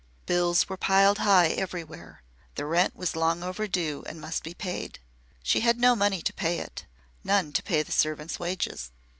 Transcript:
Bills were piled high everywhere. The rent was long overdue and must be paid. She had no money to pay it, none to pay the servants' wages.